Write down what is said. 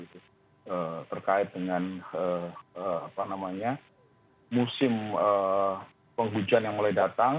terkait dengan musim penghujan yang mulai datang